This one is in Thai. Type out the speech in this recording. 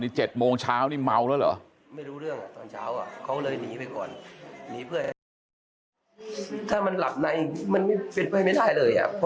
นี่๗โมงเช้านี่เมาแล้วเหรอ